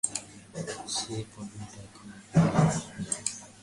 সে পাঠানেরা এখনও ফিরিল না?